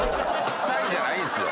サイじゃないんすよ。